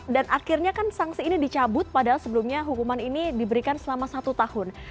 dan akhirnya kan sanksi ini dicabut padahal sebelumnya hukuman ini diberikan selama satu tahun